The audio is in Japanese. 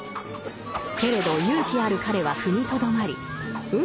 けれど勇気ある彼は踏みとどまり運